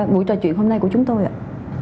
buổi trò chuyện hôm nay của chúng tôi ạ